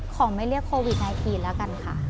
ขอไม่เรียกโควิด๑๙แล้วกันค่ะ